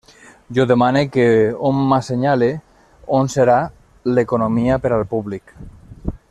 Jo demane que hom m'assenyale on serà l'economia per al públic.